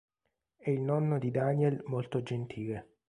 È il nonno di Daniel molto gentile.